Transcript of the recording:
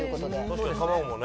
確かに卵もね。